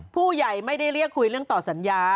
ผู้ใหญ่ไม่ได้เรียกคุยเรื่องต่อสัญญา